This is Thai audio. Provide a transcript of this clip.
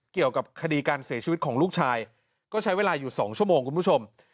เกี่ยวกับคดีการเสียชีวิตของลูกชายก็ใช้เวลาอยู่๒ชั่วโมงคุณผู้ชม